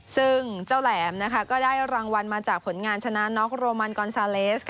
ซึ่งเจ้าแหลมนะคะก็ได้รางวัลมาจากผลงานชนะน็อกโรมันกอนซาเลส